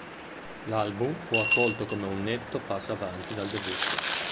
L'album fu accolto come un netto passo avanti dal debutto.